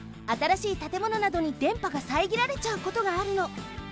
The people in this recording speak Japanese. あたらしいたてものなどに電波がさえぎられちゃうことがあるの。